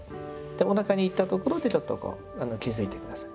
おなかにいったところでちょっとこう気づいて下さい。